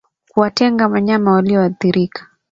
Kuwatenga wanyama walioathirika